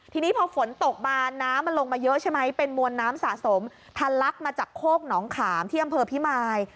ทีนี้พอฝนตกมาน้ำมันลงมาเยอะใช่ไหมเป็นมวลน้ำสะสมทะลักมาจากโคกหนองขามที่อำเภอพิมาย